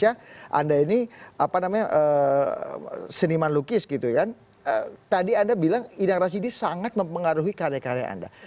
anda ini seniman lukis gitu kan tadi anda bilang indra rasyidi sangat mempengaruhi karya karya anda